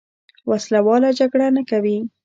وسله واله جګړه نه کوي.